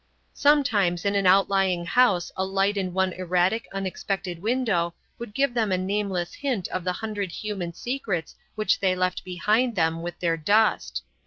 Sometimes in an outlying house a light in one erratic, unexpected window would give them a nameless hint of the hundred human secrets which they left behind them with their dust.